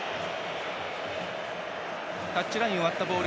タッチラインを割ったボール。